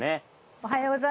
おはようございます。